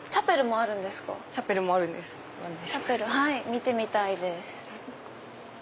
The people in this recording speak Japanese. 見てみたいです。